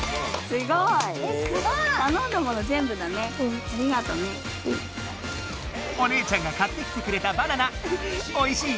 すごい！お姉ちゃんが買ってきてくれたバナナおいしい？